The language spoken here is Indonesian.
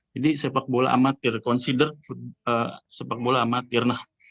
jadi sepak bola amatir considered sepak bola amatir